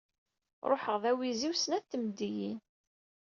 Ruḥeɣ d awiziw snat tmeddiyin.